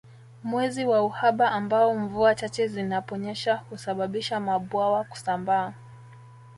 Mwezi wa uhaba ambao mvua chache zinaponyesha husababisha mabwawa kusambaa